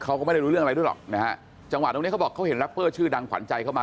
เขาก็ไม่ได้รู้เรื่องอะไรด้วยหรอกนะฮะจังหวะตรงเนี้ยเขาบอกเขาเห็นแรปเปอร์ชื่อดังขวัญใจเข้ามา